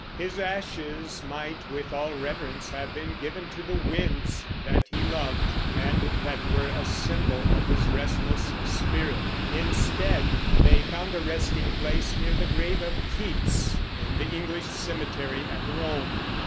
His ashes might, with all reverence, have been given to the winds that he loved and that were a symbol of his restless spirit; instead, they found a resting place near the grave of Keats, in the English cemetery at Rome.